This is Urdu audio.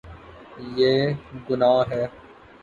یے گصاہ ہے